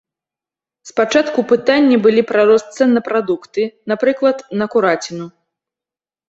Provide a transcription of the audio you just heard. Спачатку пытанні былі пра рост цэн на прадукты, напрыклад, на кураціну.